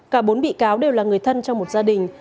cả bốn bị cáo đều là người thân trong một gia đình